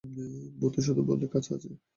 মধুসূদন বললে, কাজ আছে।